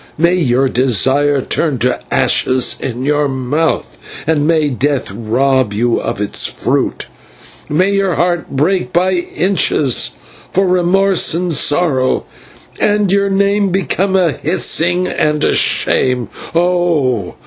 May your desire turn to ashes in your mouth, and may death rob you of its fruit; may your heart break by inches for remorse and sorrow, and your name become a hissing and a shame. Oh!